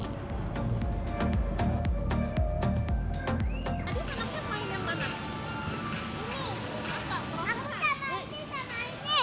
tadi sana punya pemain yang mana